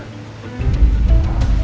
ini saya aldebaran